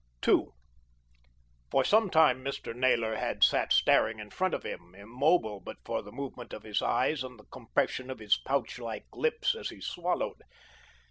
II For some time Mr. Naylor had sat staring in front of him, immobile but for the movement of his eyes and the compression of his pouch like lips as he swallowed.